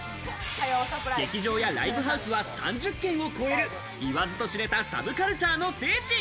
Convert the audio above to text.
劇場やライブハウスは３０軒を超える、言わずと知れたサブカルチャーの聖地。